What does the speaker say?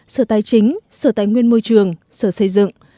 sở tài chính sở tài nguyên môi trường sở xây dựng